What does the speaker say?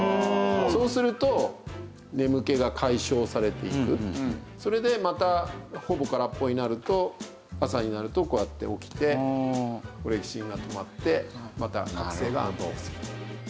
そうするとそれでまたほぼ空っぽになると朝になるとこうやって起きてオレキシンが止まってまた覚醒が安定すると。